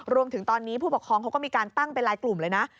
รวมถึงตอนนี้ผู้ปกครองเขาก็มีการตั้งเป็นลายกลุ่มเลยนะ